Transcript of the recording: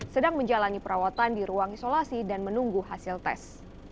sedang menjalani perawatan di ruang isolasi dan menunggu hasil tes